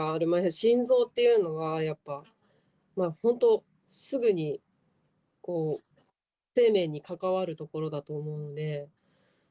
心臓というのはやっぱ本当、すぐに生命に関わるところだと思うので。